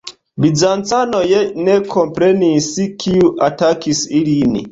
Bizancanoj ne komprenis, kiu atakis ilin.